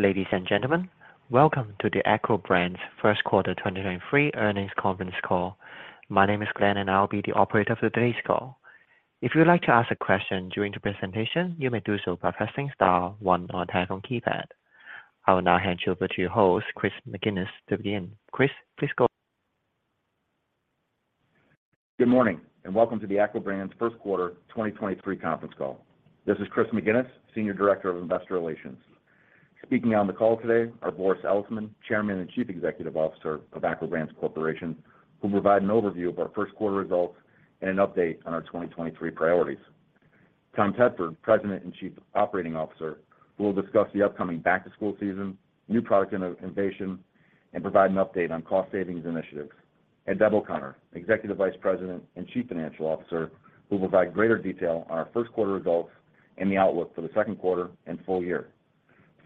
Ladies and gentlemen, welcome to the ACCO Brands first quarter 2023 earnings conference call. My name is Glenn, I'll be the operator for today's call. If you would like to ask a question during the presentation, you may do so by pressing star one on your telephone keypad. I will now hand you over to your host, Chris McGinnis, to begin. Chris, please go. Good morning and welcome to the ACCO Brands first quarter 2023 conference call. This is Chris McGinnis, Senior Director of Investor Relations. Speaking on the call today are Boris Elisman, Chairman and Chief Executive Officer of ACCO Brands Corporation, who will provide an overview of our first quarter results and an update on our 2023 priorities. Tom Tedford, President and Chief Operating Officer, will discuss the upcoming back-to-school season, new product innovation, and provide an update on cost savings initiatives. Deb O'Connor, Executive Vice President and Chief Financial Officer, who will provide greater detail on our first quarter results and the outlook for the second quarter and full year.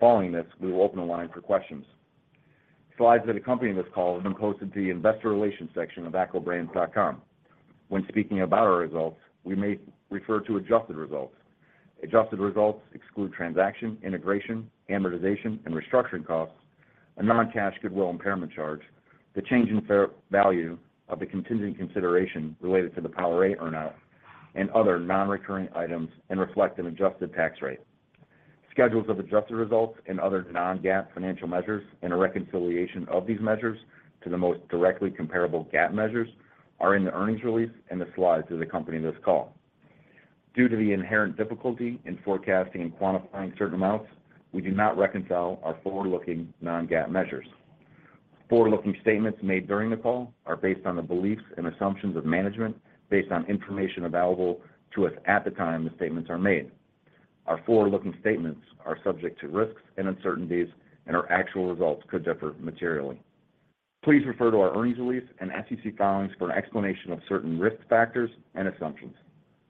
Following this, we will open the line for questions. Slides that accompany this call have been posted to the investor relations section of accobrands.com. When speaking about our results, we may refer to adjusted results. Adjusted results exclude transaction, integration, amortization, and restructuring costs, a non-cash goodwill impairment charge, the change in fair value of the contingent consideration related to the PowerA earnout, and other non-recurring items and reflect an adjusted tax rate. Schedules of adjusted results and other non-GAAP financial measures and a reconciliation of these measures to the most directly comparable GAAP measures are in the earnings release and the slides that accompany this call. Due to the inherent difficulty in forecasting and quantifying certain amounts, we do not reconcile our forward-looking non-GAAP measures. Forward-looking statements made during the call are based on the beliefs and assumptions of management based on information available to us at the time the statements are made. Our forward-looking statements are subject to risks and uncertainties, and our actual results could differ materially. Please refer to our earnings release and SEC filings for an explanation of certain risk factors and assumptions.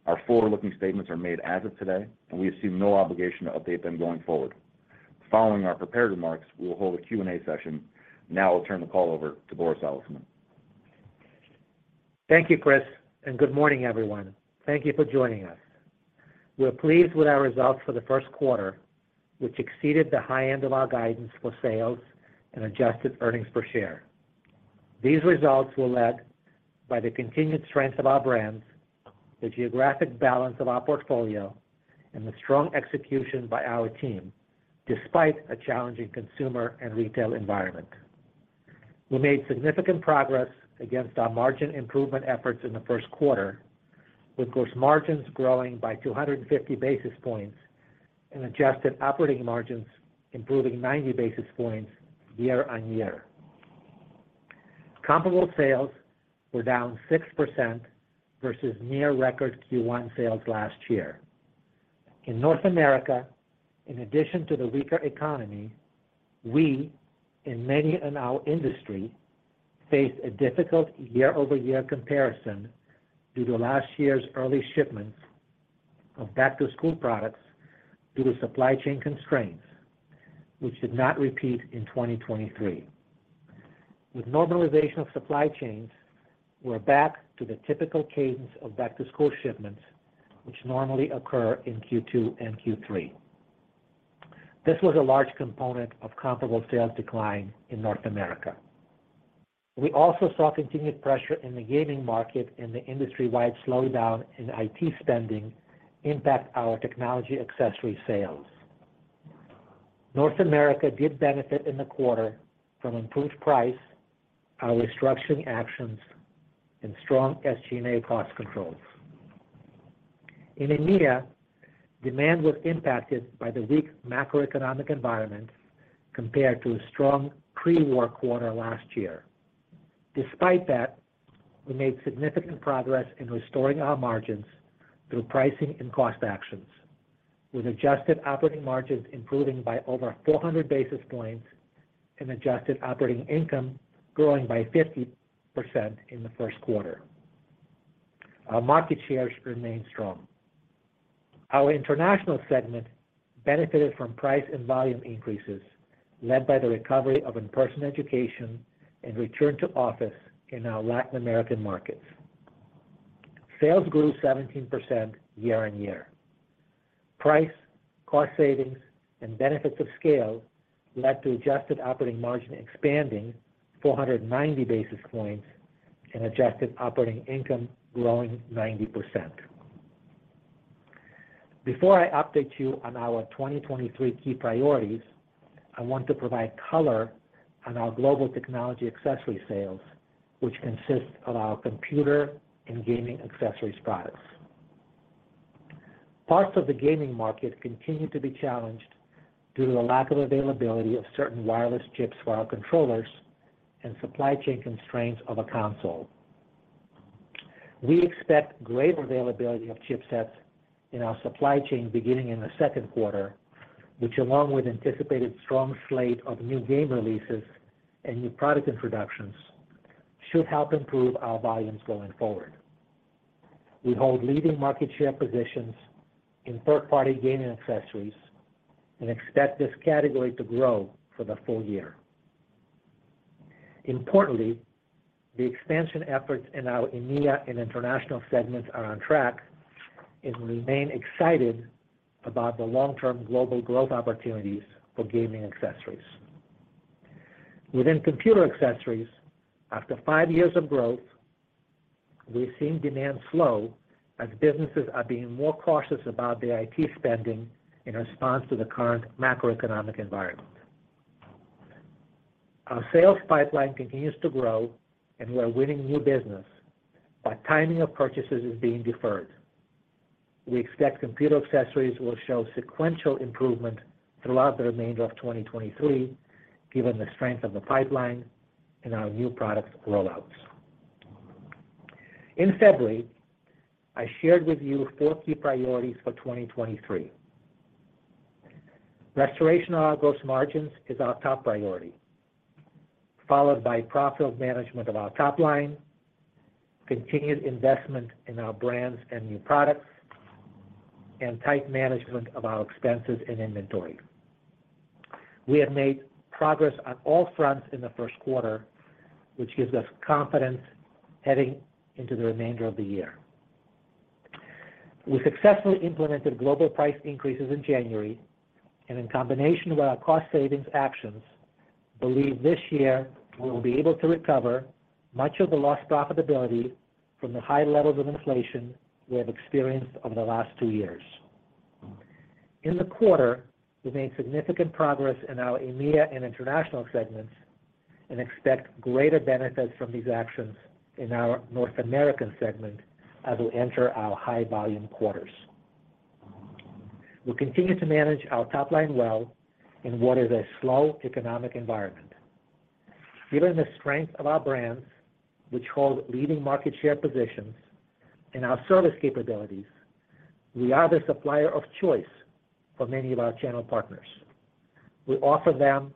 Our forward-looking statements are made as of today. We assume no obligation to update them going forward. Following our prepared remarks, we will hold a Q&A session. Now I'll turn the call over to Boris Elisman. Thank you, Chris. Good morning, everyone. Thank you for joining us. We're pleased with our results for the first quarter, which exceeded the high end of our guidance for sales and adjusted earnings per share. These results were led by the continued strength of our brands, the geographic balance of our portfolio, and the strong execution by our team, despite a challenging consumer and retail environment. We made significant progress against our margin improvement efforts in the first quarter, with gross margins growing by 250 basis points and adjusted operating margins improving 90 basis points year-over-year. Comparable sales were down 6% versus near record Q1 sales last year. In North America, in addition to the weaker economy, we and many in our industry faced a difficult year-over-year comparison due to last year's early shipments of back-to-school products due to supply chain constraints, which did not repeat in 2023. With normalization of supply chains, we're back to the typical cadence of back-to-school shipments, which normally occur in Q2 and Q3. This was a large component of comparable sales decline in North America. We also saw continued pressure in the gaming market and the industry-wide slowdown in IT spending impact our technology accessory sales. North America did benefit in the quarter from improved price, our restructuring actions, and strong SG&A cost controls. In EMEA, demand was impacted by the weak macroeconomic environment compared to a strong pre-war quarter last last year. Despite that, we made significant progress in restoring our margins through pricing and cost actions, with adjusted operating margins improving by over 400 basis points and adjusted operating income growing by 50% in the first quarter. Our market shares remain strong. Our international segment benefited from price and volume increases led by the recovery of in-person education and return to office in our Latin American markets. Sales grew 17% year-on-year. Price, cost savings, and benefits of scale led to adjusted operating margin expanding 490 basis points and adjusted operating income growing 90%. Before I update you on our 2023 key priorities, I want to provide color on our global technology accessory sales, which consist of our computer and gaming accessories products. Parts of the gaming market continue to be challenged due to the lack of availability of certain wireless chips for our controllers and supply chain constraints of a console. We expect great availability of chipsets in our supply chain beginning in the second quarter, which along with anticipated strong slate of new game releases and new product introductions should help improve our volumes going forward. We hold leading market share positions in third-party gaming accessories and expect this category to grow for the full year. Importantly, the expansion efforts in our EMEA and international segments are on track, and we remain excited about the long-term global growth opportunities for gaming accessories. Within computer accessories, after five years of growth, we've seen demand slow as businesses are being more cautious about their IT spending in response to the current macroeconomic environment. Our sales pipeline continues to grow, and we are winning new business, but timing of purchases is being deferred. We expect computer accessories will show sequential improvement throughout the remainder of 2023, given the strength of the pipeline and our new product rollouts. In February, I shared with you four key priorities for 2023. Restoration of our gross margins is our top priority, followed by profitable management of our top line, continued investment in our brands and new products, and tight management of our expenses and inventory. We have made progress on all fronts in the first quarter, which gives us confidence heading into the remainder of the year. We successfully implemented global price increases in January, and in combination with our cost savings actions, believe this year we will be able to recover much of the lost profitability from the high levels of inflation we have experienced over the last two years. In the quarter, we've made significant progress in our EMEA and international segments and expect greater benefits from these actions in our North American segment as we enter our high-volume quarters. We continue to manage our top line well in what is a slow economic environment. Given the strength of our brands, which hold leading market share positions and our service capabilities, we are the supplier of choice for many of our channel partners. We offer them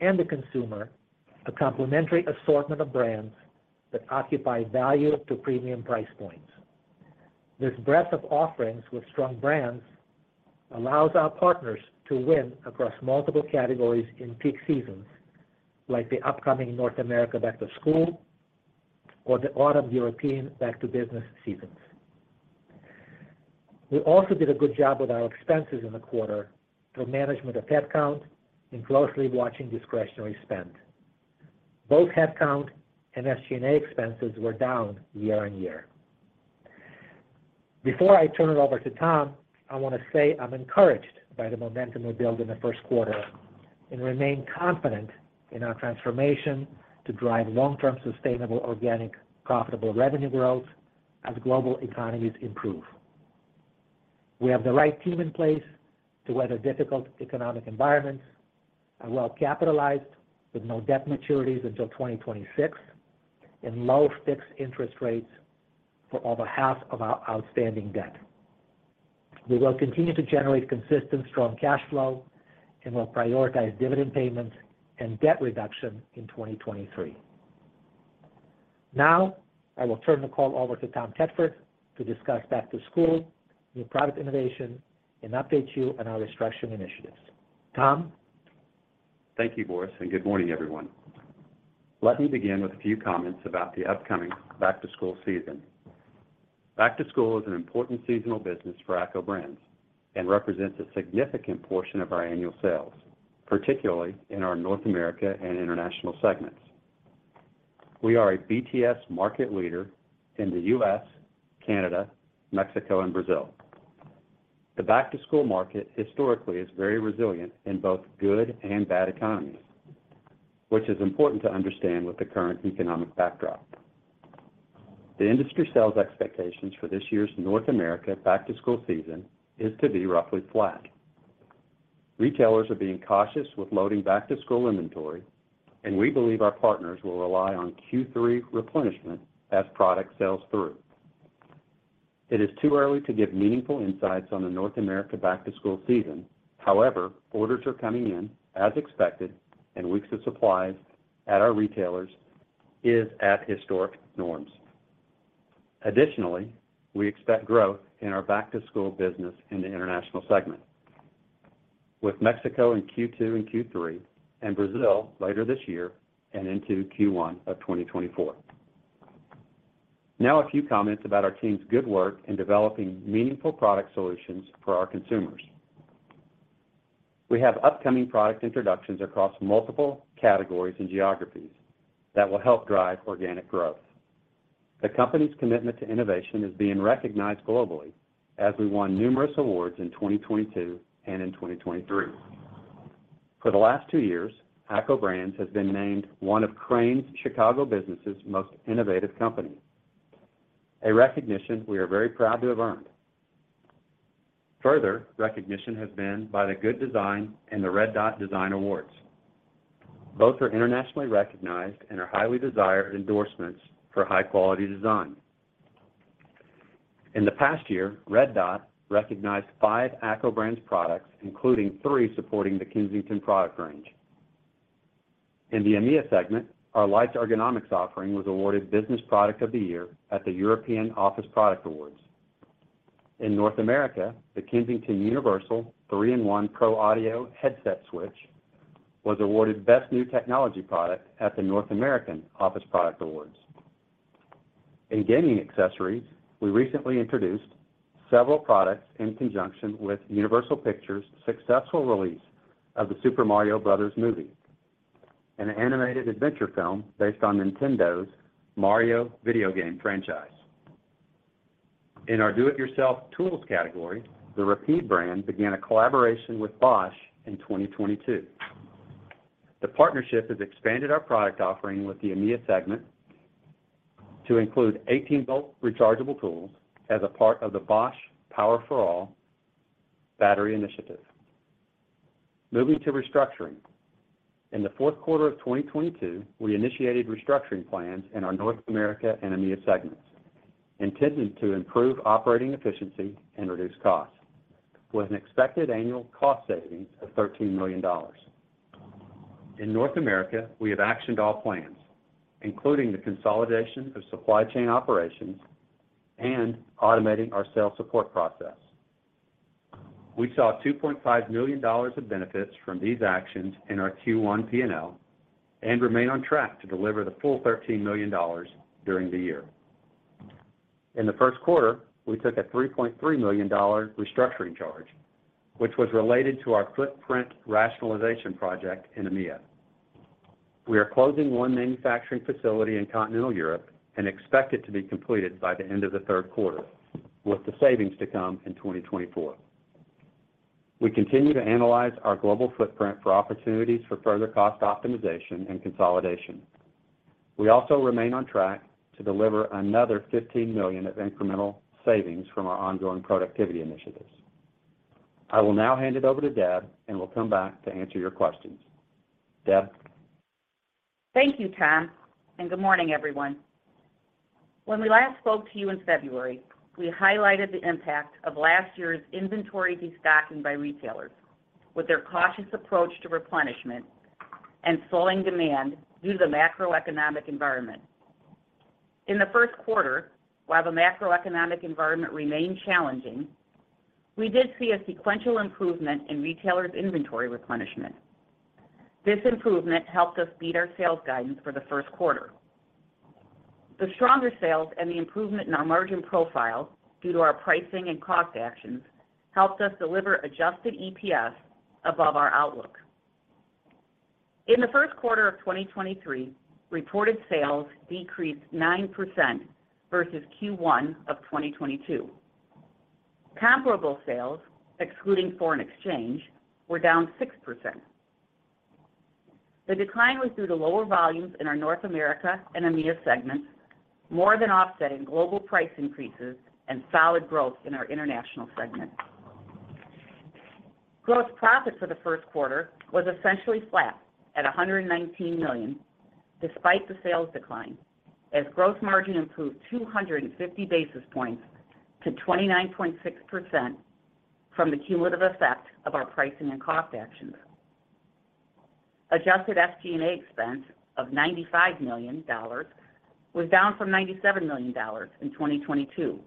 and the consumer a complementary assortment of brands that occupy value to premium price points. This breadth of offerings with strong brands allows our partners to win across multiple categories in peak seasons, like the upcoming North America back-to-school or the autumn European back-to-business seasons. We also did a good job with our expenses in the quarter through management of headcount and closely watching discretionary spend. Both headcount and SG&A expenses were down year-on-year. Before I turn it over to Tom, I want to say I'm encouraged by the momentum we built in the first quarter and remain confident in our transformation to drive long-term sustainable, organic, profitable revenue growth as global economies improve. We have the right team in place to weather difficult economic environments and well-capitalized with no debt maturities until 2026 and low fixed interest rates for over half of our outstanding debt. We will continue to generate consistent strong cash flow, and we'll prioritize dividend payments and debt reduction in 2023. Now, I will turn the call over to Tom Tedford to discuss back-to-school, new product innovation, and update you on our restructuring initiatives. Tom? Thank you, Boris, and good morning, everyone. Let me begin with a few comments about the upcoming back-to-school season. Back-to-school is an important seasonal business for ACCO Brands and represents a significant portion of our annual sales, particularly in our North America and international segments. We are a BTS market leader in the U.S., Canada, Mexico, and Brazil. The back-to-school market historically is very resilient in both good and bad economies, which is important to understand with the current economic backdrop. The industry sales expectations for this year's North America back-to-school season is to be roughly flat. Retailers are being cautious with loading back-to-school inventory, and we believe our partners will rely on Q3 replenishment as product sells through. It is too early to give meaningful insights on the North America back-to-school season. Orders are coming in as expected, and weeks of supply at our retailers is at historic norms. We expect growth in our back-to-school business in the international segment with Mexico in Q2 and Q3 and Brazil later this year and into Q1 of 2024. A few comments about our team's good work in developing meaningful product solutions for our consumers. We have upcoming product introductions across multiple categories and geographies that will help drive organic growth. The company's commitment to innovation is being recognized globally as we won numerous awards in 2022 and in 2023. For the last two years, ACCO Brands has been named one of Crain's Chicago Business's most innovative companies, a recognition we are very proud to have earned. Further recognition has been by the Good Design and the Red Dot Design Awards. Both are internationally recognized and are highly desired endorsements for high-quality design. In the past year, Red Dot recognized five ACCO Brands products, including three supporting the Kensington product range. In the EMEA segment, our Leitz ergonomics offering was awarded Business Product of the Year at the European Office Products Awards. In North America, the Kensington Universal 3-in-1 Pro Audio Headset Switch was awarded Best New Technology Product at the North American Office Products Awards. In gaming accessories, we recently introduced several products in conjunction with Universal Pictures' successful release of The Super Mario Bros. Movie, an animated adventure film based on Nintendo's Mario video game franchise. In our do-it-yourself tools category, the Rapid brand began a collaboration with Bosch in 2022. The partnership has expanded our product offering with the EMEA segment to include 18-volt rechargeable tools as a part of the Bosch POWER FOR ALL battery initiative. Moving to restructuring. In the fourth quarter of 2022, we initiated restructuring plans in our North America and EMEA segments, intended to improve operating efficiency and reduce costs, with an expected annual cost savings of $13 million. In North America, we have actioned all plans, including the consolidation of supply chain operations and automating our sales support process. We saw $2.5 million of benefits from these actions in our Q1 P&L and remain on track to deliver the full $13 million during the year. In the first quarter, we took a $3.3 million restructuring charge, which was related to our footprint rationalization project in EMEA. We are closing one manufacturing facility in continental Europe and expect it to be completed by the end of the third quarter, with the savings to come in 2024. We continue to analyze our global footprint for opportunities for further cost optimization and consolidation. We also remain on track to deliver another $15 million of incremental savings from our ongoing productivity initiatives. I will now hand it over to Deb, and we'll come back to answer your questions. Deb? Thank you, Tom, and good morning, everyone. When we last spoke to you in February, we highlighted the impact of last year's inventory destocking by retailers with their cautious approach to replenishment and slowing demand due to the macroeconomic environment. In the first quarter, while the macroeconomic environment remained challenging, we did see a sequential improvement in retailers' inventory replenishment. This improvement helped us beat our sales guidance for the first quarter. The stronger sales and the improvement in our margin profile due to our pricing and cost actions helped us deliver adjusted EPS above our outlook. In the first quarter of 2023, reported sales decreased 9% versus Q1 of 2022. Comparable sales, excluding foreign exchange, were down 6%. The decline was due to lower volumes in our North America and EMEA segments, more than offsetting global price increases and solid growth in our international segment. Gross profit for the first quarter was essentially flat at $119 million despite the sales decline as gross margin improved 250 basis points to 29.6% from the cumulative effect of our pricing and cost actions. Adjusted SG&A expense of $95 million was down from $97 million in 2022.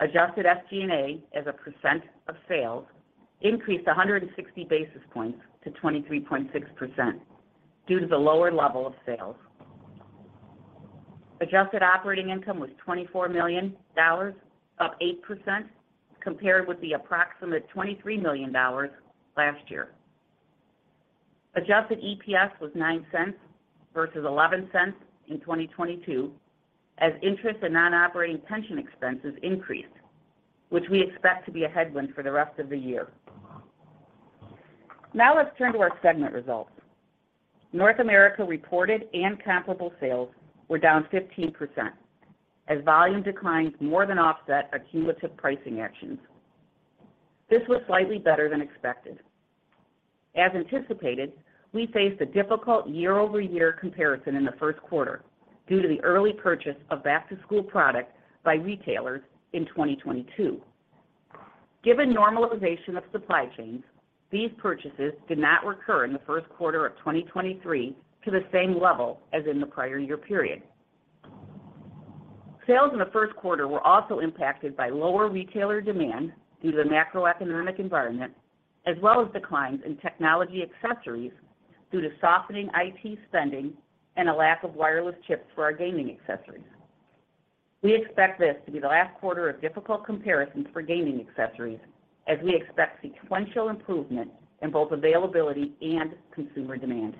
Adjusted SG&A as a percent of sales increased 160 basis points to 23.6% due to the lower level of sales. Adjusted operating income was $24 million, up 8% compared with the approximate $23 million last year. Adjusted EPS was $0.09 versus $0.11 in 2022 as interest and non-operating pension expenses increased, which we expect to be a headwind for the rest of the year. Now let's turn to our segment results. North America reported and comparable sales were down 15% as volume declines more than offset our cumulative pricing actions. This was slightly better than expected. As anticipated, we faced a difficult year-over-year comparison in the first quarter due to the early purchase of back-to-school product by retailers in 2022. Given normalization of supply chains, these purchases did not recur in the first quarter of 2023 to the same level as in the prior year period. Sales in the first quarter were also impacted by lower retailer demand due to the macroeconomic environment as well as declines in technology accessories due to softening IT spending and a lack of wireless chips for our gaming accessories. We expect this to be the last quarter of difficult comparisons for gaming accessories as we expect sequential improvement in both availability and consumer demand.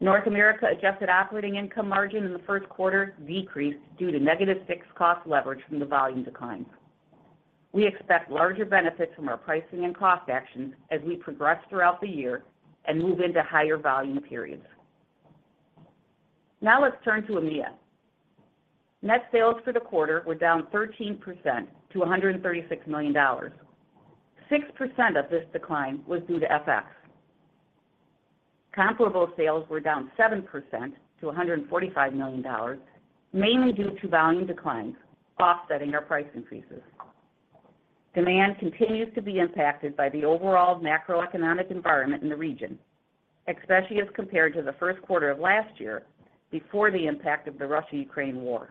North America adjusted operating income margin in the first quarter decreased due to negative fixed cost leverage from the volume declines. We expect larger benefits from our pricing and cost actions as we progress throughout the year and move into higher volume periods. Now let's turn to EMEA. Net sales for the quarter were down 13% to $136 million. 6% of this decline was due to FX. Comparable sales were down 7% to $145 million, mainly due to volume declines offsetting our price increases. Demand continues to be impacted by the overall macroeconomic environment in the region, especially as compared to the first quarter of last year before the impact of the Russia-Ukraine war.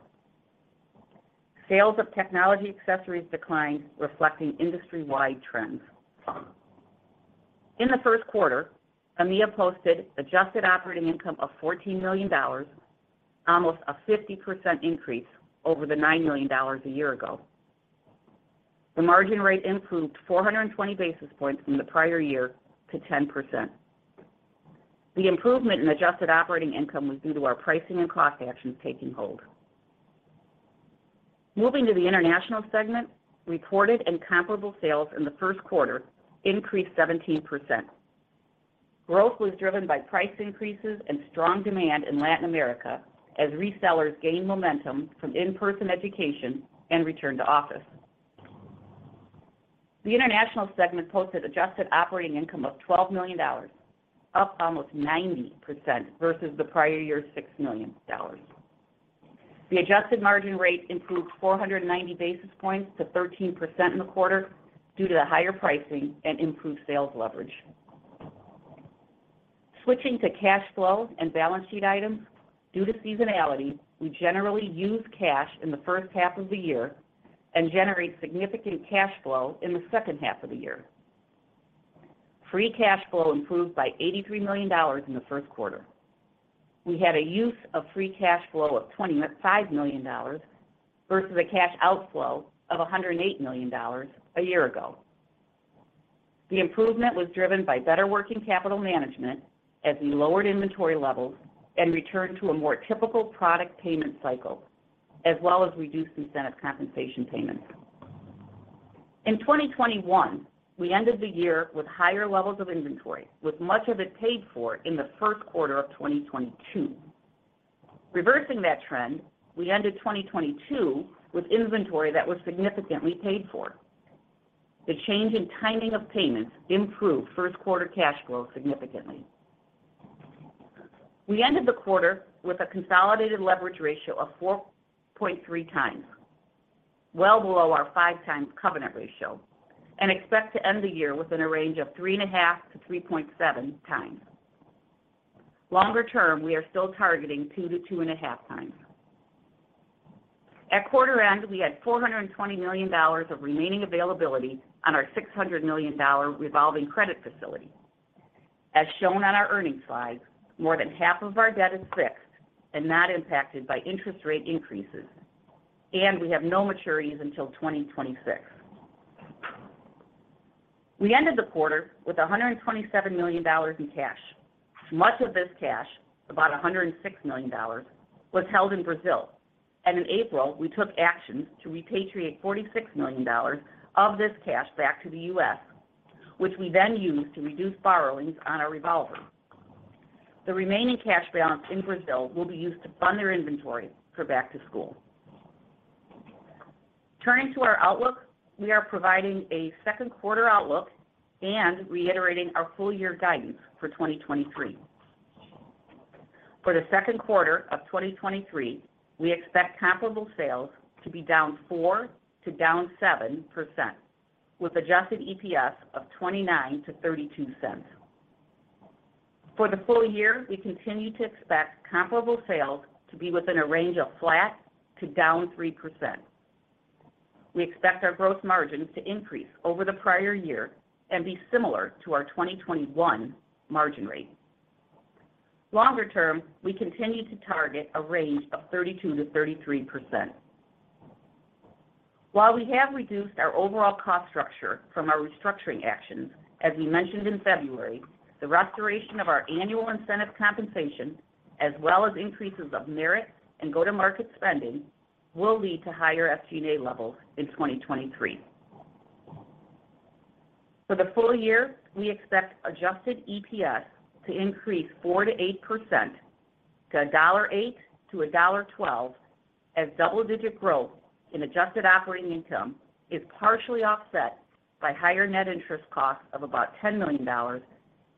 Sales of technology accessories declined, reflecting industry-wide trends. In the first quarter, EMEA posted adjusted operating income of $14 million, almost a 50% increase over the $9 million a year ago. The margin rate improved 420 basis points from the prior year to 10%. The improvement in adjusted operating income was due to our pricing and cost actions taking hold. Moving to the international segment, reported and comparable sales in the first quarter increased 17%. Growth was driven by price increases and strong demand in Latin America as resellers gained momentum from in-person education and return to office. The international segment posted adjusted operating income of $12 million, up almost 90% versus the prior year's $6 million. The adjusted margin rate improved 490 basis points to 13% in the quarter due to the higher pricing and improved sales leverage. Switching to cash flows and balance sheet items. Due to seasonality, we generally use cash in the first half of the year and generate significant cash flow in the second half of the year. Free cash flow improved by $83 million in the first quarter. We had a use of free cash flow of $25 million versus a cash outflow of $108 million a year ago. The improvement was driven by better working capital management as we lowered inventory levels and returned to a more typical product payment cycle, as well as reduced incentive compensation payments. In 2021, we ended the year with higher levels of inventory, with much of it paid for in the first quarter of 2022. Reversing that trend, we ended 2022 with inventory that was significantly paid for. The change in timing of payments improved first quarter cash flow significantly. We ended the quarter with a consolidated leverage ratio of 4.3x, well below our 5x covenant ratio, and expect to end the year within a range of 3.5x-3.7x. Longer term, we are still targeting-2.5x. At quarter end, we had $420 million of remaining availability on our $600 million revolving credit facility. As shown on our earnings slides, more than half of our debt is fixed and not impacted by interest rate increases, and we have no maturities until 2026. We ended the quarter with $127 million in cash. Much of this cash, about $106 million, was held in Brazil.In April, we took actions to repatriate $46 million of this cash back to the U.S., which we then used to reduce borrowings on our revolver. The remaining cash balance in Brazil will be used to fund their inventory for back to school. Turning to our outlook, we are providing a second quarter outlook and reiterating our full year guidance for 2023. For the second quarter of 2023, we expect comparable sales to be down -4% to -7%, with adjusted EPS of $0.29-$0.32. For the full year, we continue to expect comparable sales to be within a range of flat to -3%. We expect our growth margins to increase over the prior year and be similar to our 2021 margin rate. Longer term, we continue to target a range of 32%-33%. While we have reduced our overall cost structure from our restructuring actions, as we mentioned in February, the restoration of our annual incentive compensation, as well as increases of merit and go-to-market spending, will lead to higher SG&A levels in 2023. For the full year, we expect adjusted EPS to increase 4%-8% to $1.08-$1.12, as double-digit growth in adjusted operating income is partially offset by higher net interest costs of about $10 million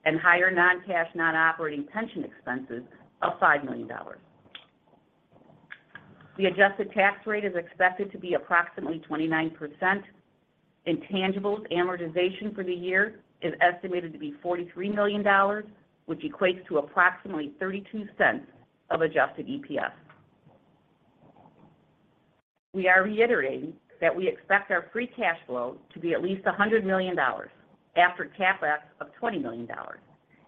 and higher non-cash, non-operating pension expenses of $5 million. The adjusted tax rate is expected to be approximately 29%. Intangibles amortization for the year is estimated to be $43 million, which equates to approximately $0.32 of adjusted EPS. We are reiterating that we expect our free cash flow to be at least $100 million after CapEx of $20 million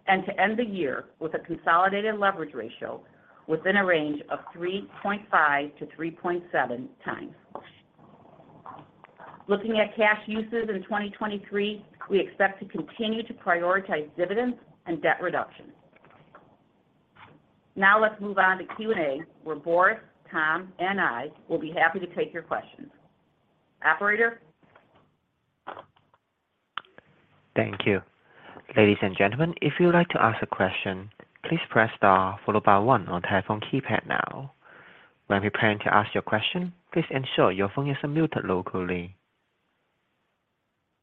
and to end the year with a consolidated leverage ratio within a range of 3.5x-3.7 x. Looking at cash uses in 2023, we expect to continue to prioritize dividends and debt reduction. Let's move on to Q&A, where Boris, Tom, and I will be happy to take your questions. Operator. Thank you. Ladies and gentlemen, if you would like to ask a question, please press star followed by 1 on telephone keypad now. When preparing to ask your question, please ensure your phone isn't muted locally.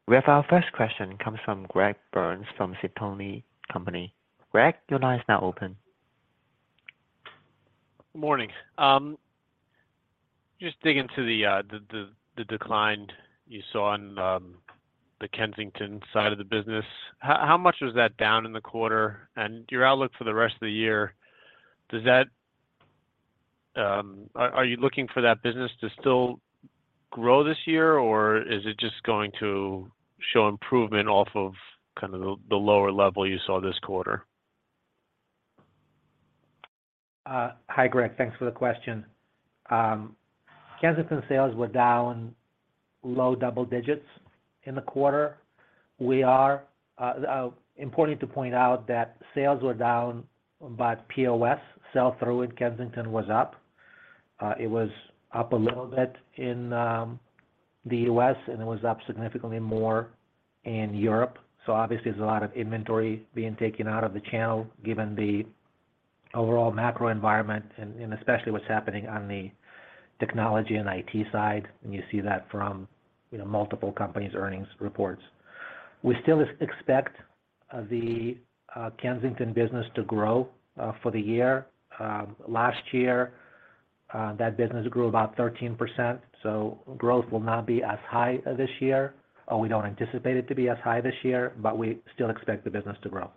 We have our first question comes from Greg Burns from Sidoti & Company. Greg, your line is now open. Morning. Just digging to the decline you saw on the Kensington side of the business. How much was that down in the quarter? Your outlook for the rest of the year, are you looking for that business to still grow this year, or it just going to show improvement off of kind of the lower level you saw this quarter? Hi, Greg. Thanks for the question. Kensington sales were down low double digits in the quarter. We are important to point out that sales were down, but POS sell-through in Kensington was up. It was up a little bit in the U.S., and it was up significantly more in Europe. Obviously there's a lot of inventory being taken out of the channel given the overall macro environment and especially what's happening on the technology and IT side. You see that from, you know, multiple companies' earnings reports. We still expect the Kensington business to grow for the year. Last year, that business grew about 13%, so growth will not be as high this year, or we don't anticipate it to be as high this year, but we still expect the business to grow.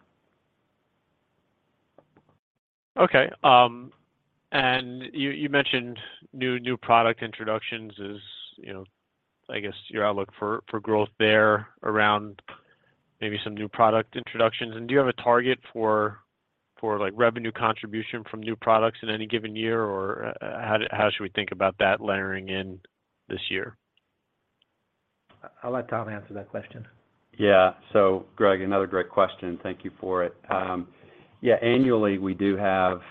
Okay. You mentioned new product introductions as, you know, I guess your outlook for growth there around maybe some new product introductions. Do you have a target for, like, revenue contribution from new products in any given year? Or how should we think about that layering in this year? I'll let Tom answer that question. Greg, another great question. Thank you for it. Annually, we do have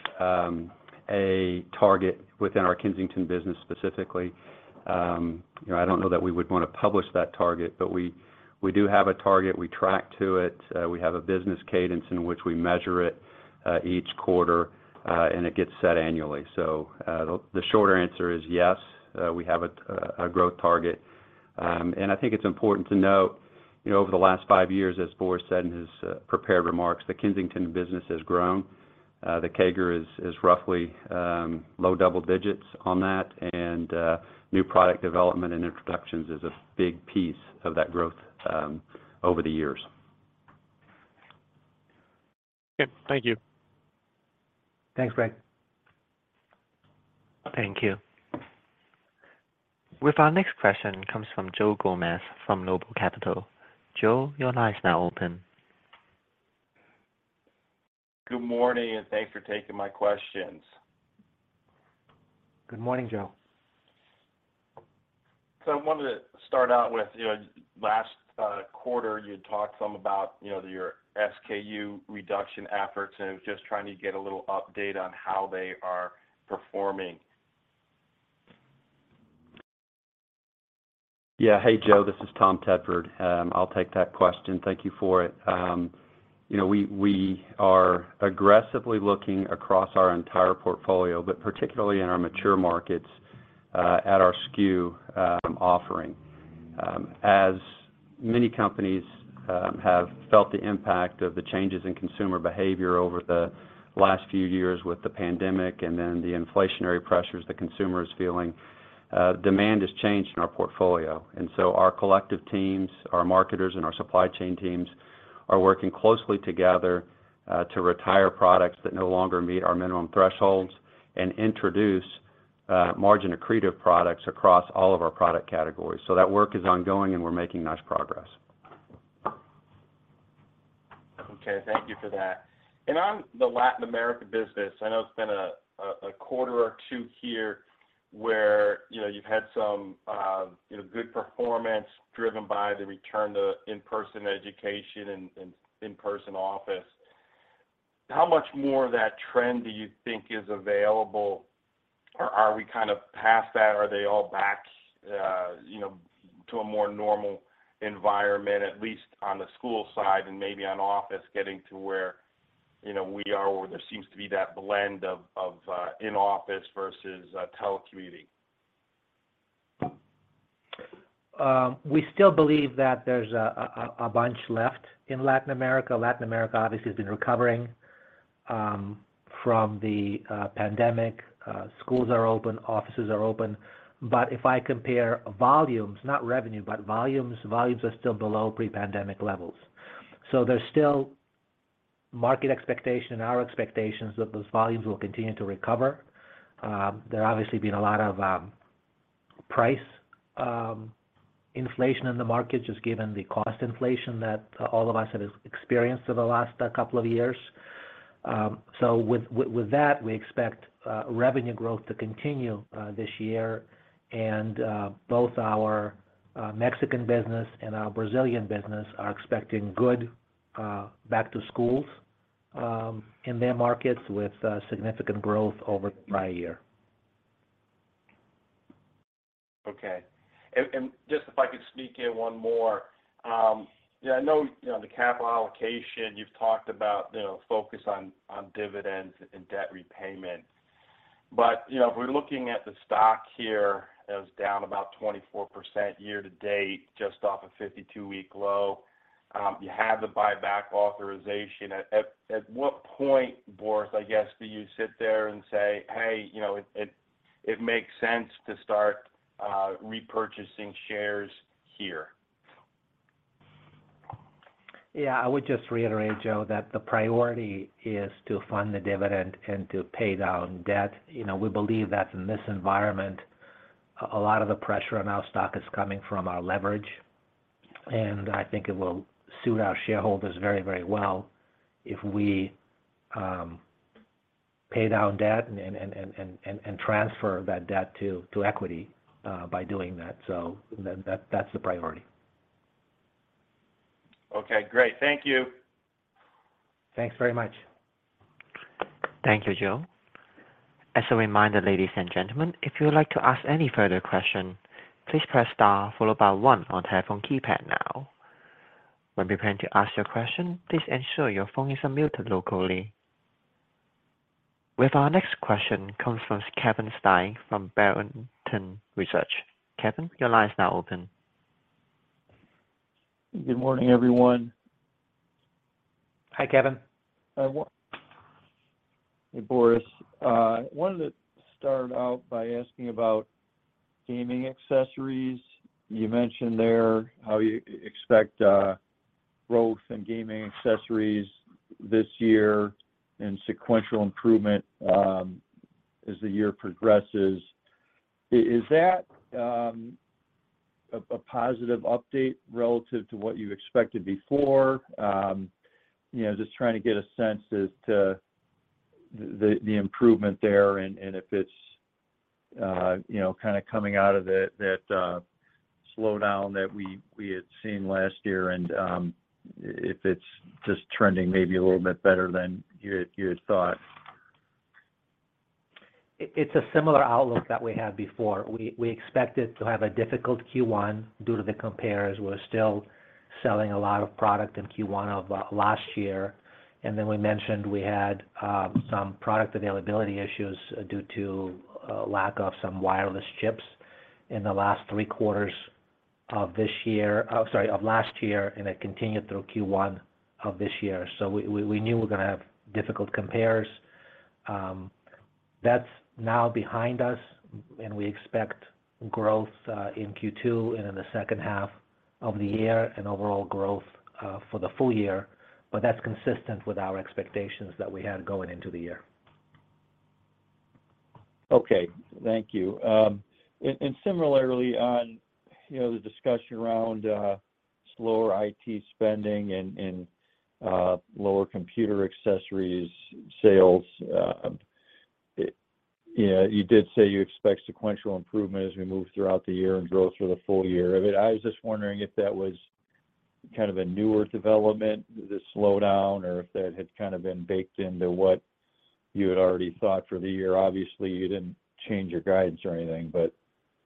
a target within our Kensington business specifically. You know, I don't know that we would wanna publish that target, but we do have a target. We track to it. We have a business cadence in which we measure it each quarter, and it gets set annually. The shorter answer is yes, we have a growth target. And I think it's important to note, you know, over the last five years, as Boris said in his prepared remarks, the Kensington business has grown. The CAGR is roughly low double digits on that. And new product development and introductions is a big piece of that growth over the years. Okay. Thank you. Thanks, Greg. Thank you. With our next question comes from Joe Gomes from Noble Capital Markets. Joe, your line is now open. Good morning. Thanks for taking my questions. Good morning, Joe. I wanted to start out with, you know, last quarter, you had talked some about, you know, your SKU reduction efforts, and I was just trying to get a little update on how they are performing. Yeah. Hey, Joe. This is Tom Tedford. I'll take that question. Thank you for it. You know, we are aggressively looking across our entire portfolio, but particularly in our mature markets, at our SKU offering. As many companies have felt the impact of the changes in consumer behavior over the last few years with the pandemic and then the inflationary pressures the consumer is feeling, demand has changed in our portfolio. Our collective teams, our marketers and our supply chain teams are working closely together to retire products that no longer meet our minimum thresholds and introduce margin accretive products across all of our product categories. That work is ongoing, and we're making nice progress. Okay. Thank you for that. On the Latin America business, I know it's been a quarter or two here where, you know, you've had some, you know, good performance driven by the return to in-person education and in-person office. How much more of that trend do you think is available or are we kind of past that? Are they all back, you know, to a more normal environment, at least on the school side and maybe on office getting to where, you know, we are, where there seems to be that blend of in-office versus telecommuting? We still believe that there's a bunch left in Latin America. Latin America obviously has been recovering from the pandemic. Schools are open, offices are open. If I compare volumes, not revenue, but volumes are still below pre-pandemic levels. There's still market expectation and our expectations that those volumes will continue to recover. There obviously been a lot of price inflation in the market just given the cost inflation that all of us have experienced over the last couple of years. With that, we expect revenue growth to continue this year. Both our Mexican business and our Brazilian business are expecting good back to schools in their markets with significant growth over prior year. Okay. Just if I could sneak in one more. Yeah, I know, you know, the capital allocation, you've talked about, you know, focus on dividends and debt repayment. You know, if we're looking at the stock here, it was down about 24% year to date, just off a 52-week low. You have the buyback authorization. At what point, Boris, I guess, do you sit there and say, "Hey, you know, it makes sense to start repurchasing shares here"? Yeah. I would just reiterate, Joe, that the priority is to fund the dividend and to pay down debt. You know, we believe that in this environment, a lot of the pressure on our stock is coming from our leverage. I think it will suit our shareholders very, very well if we pay down debt and transfer that debt to equity by doing that. That's the priority. Okay, great. Thank you. Thanks very much. Thank you, Joe. As a reminder, ladies and gentlemen, if you would like to ask any further question, please press star followed by one on telephone keypad now. When preparing to ask your question, please ensure your phone is unmuted locally. With our next question comes from Kevin Steinke from Barrington Research. Kevin, your line is now open. Good morning, everyone. Hi, Kevin. Hi. Hey, Boris. wanted to start out by asking about gaming accessories. You mentioned there how you expect growth in gaming accessories this year and sequential improvement as the year progresses. Is that a positive update relative to what you expected before? you know, just trying to get a sense as to the improvement there and if it's, you know, kinda coming out of it, that slowdown that we had seen last year and if it's just trending maybe a little bit better than you had thought? It's a similar outlook that we had before. We expected to have a difficult Q1 due to the compares. We're still selling a lot of product in Q1 of last year. We mentioned we had some product availability issues due to lack of some wireless chips in the last three quarters of last year, and it continued through Q1 of this year. We knew we're gonna have difficult compares. That's now behind us, and we expect growth in Q2 and in the second half of the year and overall growth for the full year, that's consistent with our expectations that we had going into the year. Okay. Thank you. Similarly on, you know, the discussion around slower IT spending and lower computer accessories sales, you know, you did say you expect sequential improvement as we move throughout the year and growth for the full year. I mean, I was just wondering if that was kind of a newer development, the slowdown, or if that had kind of been baked into what you had already thought for the year. Obviously, you didn't change your guides or anything, but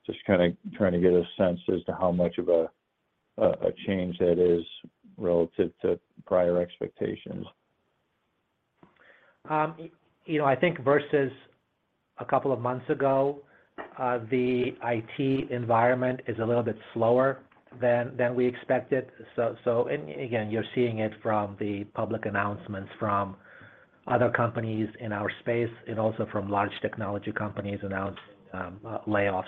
just kinda trying to get a sense as to how much of a change that is relative to prior expectations. You know, I think versus a couple of months ago, the IT environment is a little bit slower than we expected. Again, you're seeing it from the public announcements from other companies in our space and also from large technology companies announce layoffs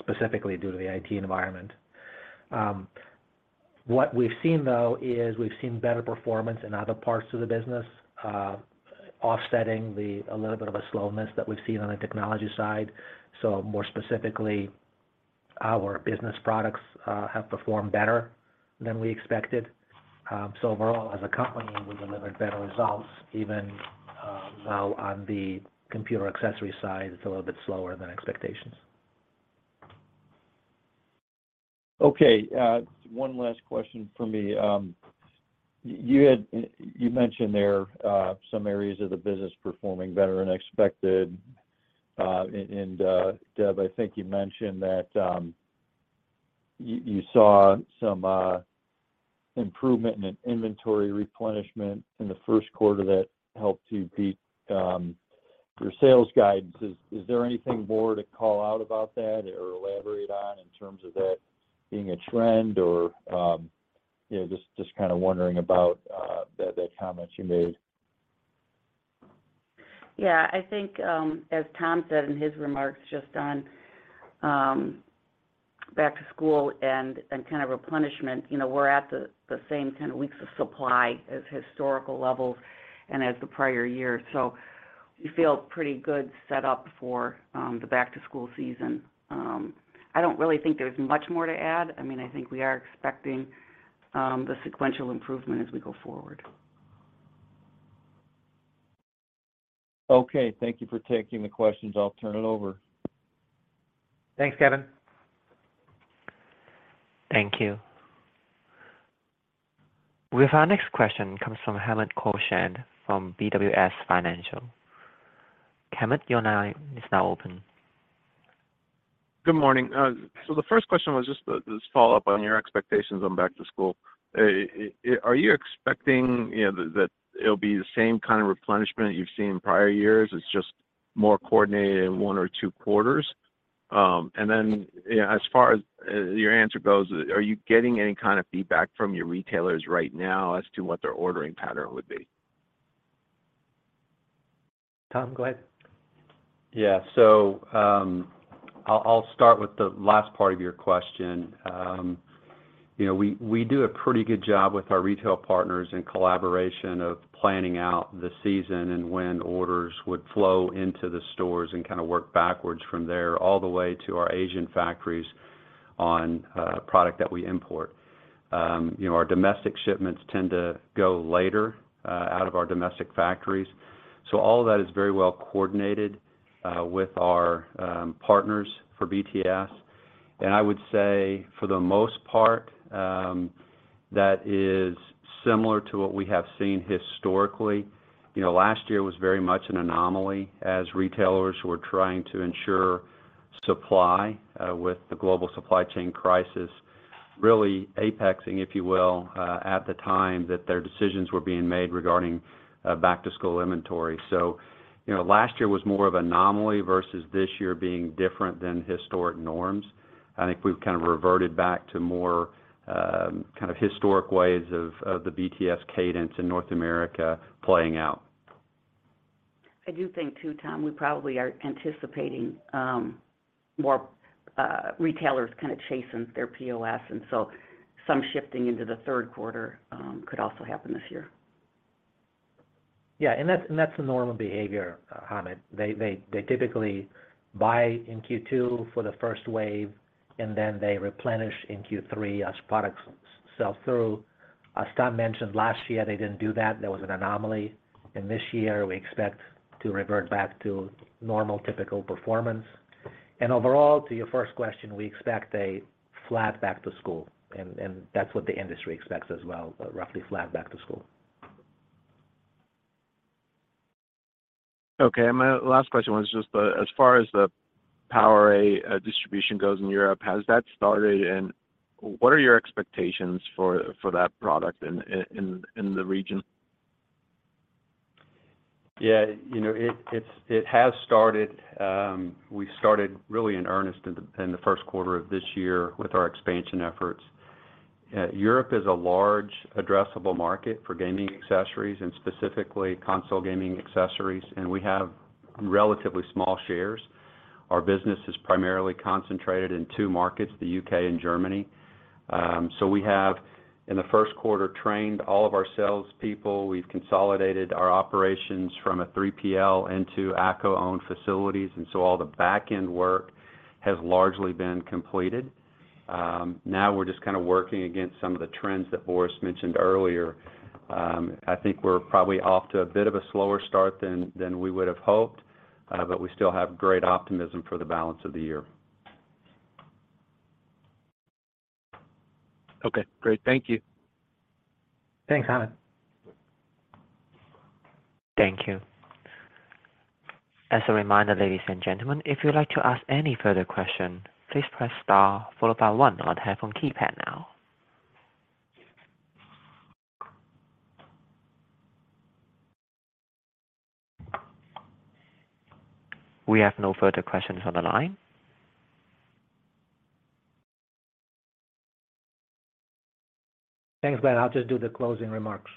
specifically due to the IT environment. What we've seen, though, is we've seen better performance in other parts of the business, offsetting a little bit of a slowness that we've seen on the technology side. More specifically, our business products have performed better than we expected. Overall, as a company, we delivered better results even while on the computer accessory side, it's a little bit slower than expectations. Okay. One last question for me. You mentioned there, some areas of the business performing better than expected. Deb, I think you mentioned that, you saw some improvement in an inventory replenishment in the first quarter that helped you beat your sales guidance. Is there anything more to call out about that or elaborate on in terms of that being a trend? Or, you know, just kinda wondering about the comments you made. I think, as Tom said in his remarks just on, back to school and kind of replenishment, you know, we're at the same kind of weeks of supply as historical levels and as the prior year. We feel pretty good set up for, the back to school season. I don't really think there's much more to add. I mean, I think we are expecting, the sequential improvement as we go forward. Okay. Thank you for taking the questions. I'll turn it over. Thanks, Kevin. Thank you. With our next question comes from Hamed Khorsand from BWS Financial. Hamed, your line is now open. Good morning. The first question was just follow up on your expectations on back to school. Are you expecting, you know, that it'll be the same kind of replenishment you've seen in prior years? It's just... More coordinated in one or two quarters. Yeah, as far as your answer goes, are you getting any kind of feedback from your retailers right now as to what their ordering pattern would be? Tom, go ahead. Yeah. I'll start with the last part of your question. You know, we do a pretty good job with our retail partners in collaboration of planning out the season and when orders would flow into the stores and kinda work backwards from there, all the way to our Asian factories on product that we import. You know, our domestic shipments tend to go later out of our domestic factories. All of that is very well coordinated with our partners for BTS. I would say for the most part, that is similar to what we have seen historically. You know, last year was very much an anomaly as retailers were trying to ensure supply, with the global supply chain crisis, really apexing, if you will, at the time that their decisions were being made regarding, back to school inventory. Last year was more of anomaly versus this year being different than historic norms. I think we've kind of reverted back to more, kind of historic ways of the BTS cadence in North America playing out. I do think too, Tom, we probably are anticipating, more, retailers kinda chasing their POS, and so some shifting into the third quarter, could also happen this year. Yeah. That's the normal behavior, Hamid. They typically buy in Q2 for the first wave, and then they replenish in Q3 as products sell through. As Tom mentioned, last year, they didn't do that. There was an anomaly. This year, we expect to revert back to normal, typical performance. Overall, to your first question, we expect a flat back to school and that's what the industry expects as well, a roughly flat back to school. Okay. And my last question was just as far as the PowerA distribution goes in Europe, has that started? What are your expectations for that product in the region? Yeah. You know, it has started. We started really in earnest in the first quarter of this year with our expansion efforts. Europe is a large addressable market for gaming accessories and specifically console gaming accessories, we have relatively small shares. Our business is primarily concentrated in two markets, the UK and Germany. We have, in the first quarter, trained all of our sales people. We've consolidated our operations from a 3PL into ACCO-owned facilities, all the backend work has largely been completed. Now we're just kinda working against some of the trends that Boris mentioned earlier. I think we're probably off to a bit of a slower start than we would've hoped, we still have great optimism for the balance of the year. Okay, great. Thank you. Thanks, Hamid. Thank you. As a reminder, ladies and gentlemen, if you'd like to ask any further question, please press star followed by one on your telephone keypad now. We have no further questions on the line. Thanks, Ben. I'll just do the closing remarks.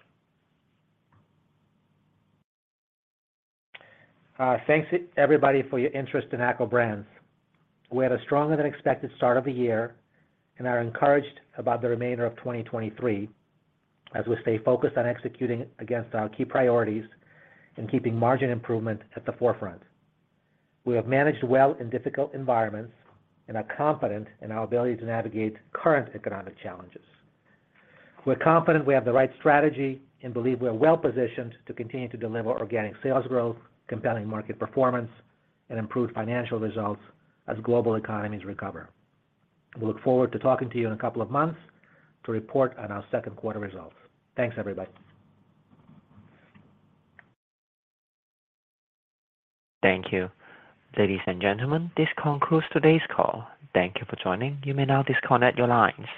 Thanks everybody for your interest in ACCO Brands. We had a stronger than expected start of the year and are encouraged about the remainder of 2023, as we stay focused on executing against our key priorities and keeping margin improvement at the forefront. We have managed well in difficult environments and are confident in our ability to navigate current economic challenges. We're confident we have the right strategy and believe we're well-positioned to continue to deliver organic sales growth, compelling market performance, and improved financial results as global economies recover. We look forward to talking to you in a couple of months to report on our second quarter results. Thanks, everybody. Thank you. Ladies and gentlemen, this concludes today's call. Thank you for joining. You may now disconnect your lines.